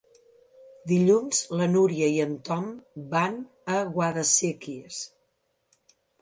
Dilluns na Núria i en Tom van a Guadasséquies.